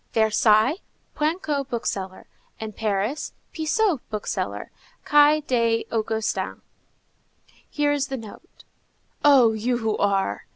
Versailles, Poinçot, book seller; and Paris, Pissot, bookseller, Quai des Augustins._ Here is the note:— "Oh, you who are!